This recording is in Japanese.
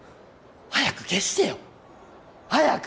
早く消してよ早く！